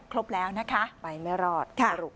ครบแล้วนะคะสรุปนะคะไปไม่รอด